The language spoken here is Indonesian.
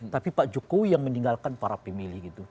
tapi pak jokowi yang meninggalkan para pemilih gitu